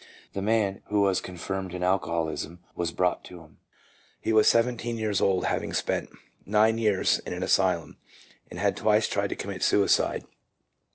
The man, who was confirmed in alcoholism, was brought to him. He was seventy years old, having spent nine years in an asylum, and had twice tried to commit suicide.